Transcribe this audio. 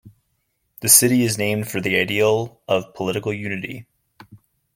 The city is named for the ideal of political unity.